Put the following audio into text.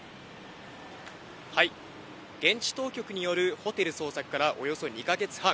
現地当局によるホテル捜索からおよそ２か月半。